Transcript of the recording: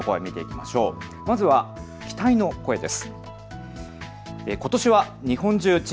まずは期待の声です。